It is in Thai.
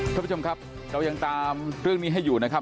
ท่านผู้ชมครับเรายังตามเรื่องนี้ให้อยู่นะครับ